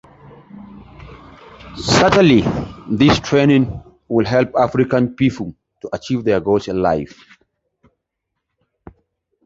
Negative resistance is an uncommon property which occurs in a few nonlinear electronic components.